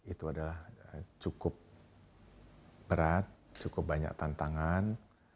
itu adalah cukup berat cukup banyak tantangan